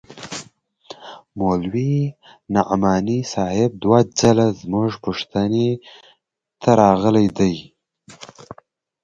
مولوي نعماني صاحب دوه ځله زموږ پوښتنې ته راغلى دى.